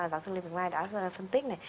giáo sư lê bình mai đã phân tích này